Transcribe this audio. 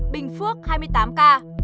bình phước hai mươi tám ca